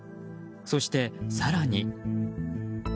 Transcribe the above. そして、更に。